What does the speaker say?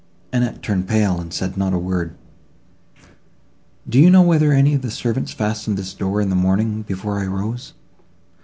Annette turned pale, and said not a word. "Do you know whether any of the servants fastened this door in the morning, before I rose?"